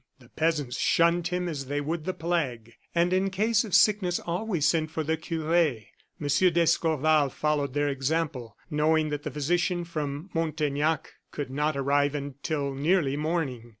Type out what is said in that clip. The peasants shunned him as they would the plague; and in case of sickness always sent for the cure. M. d'Escorval followed their example, knowing that the physician from Montaignac could not arrive until nearly morning.